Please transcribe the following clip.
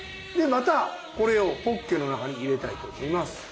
またこれをポッケの中に入れたいと思います。